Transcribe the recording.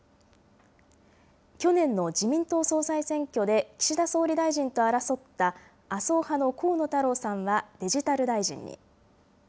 去年の自民党総裁選挙で岸田総理大臣と争った、麻生派の河野太郎さんはデジタル大臣に。